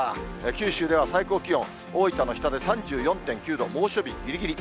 九州では最高気温、大分の日田で３４．９度、猛暑日ぎりぎり。